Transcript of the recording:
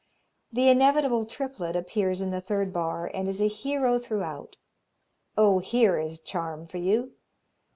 The inevitable triplet appears in the third bar, and is a hero throughout. Oh, here is charm for you!